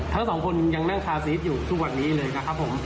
ทั้งสองคนยังนั่งคาซีสอยู่ทุกวันนี้เลยนะครับผม